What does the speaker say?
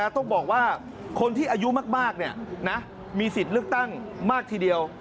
ต้องบอกว่าคนที่อายุมากมีสิทธิ์เลือกตั้งมากทีเดียว